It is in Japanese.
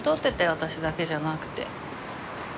あたしだけじゃなくて。